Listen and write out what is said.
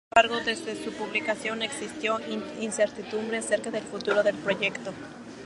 Sin embargo, desde su publicación existió incertidumbre acerca del futuro del proyecto.